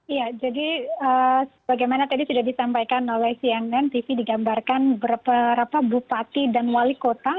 iya jadi bagaimana tadi sudah disampaikan oleh cnn tv digambarkan berapa bupati dan wali kota